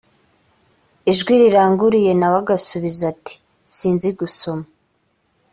ijwi riranguruye na we agasubiza ati sinzi gusoma